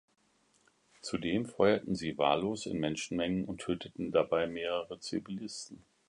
Zudem feuerten sie wahllos in Menschenmengen und töteten dabei mehrere Zivilisten.